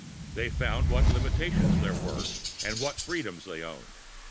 They found what limitations there were and what freedoms they owned.